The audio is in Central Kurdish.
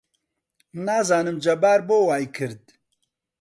نازانم جەبار بۆ وای کرد.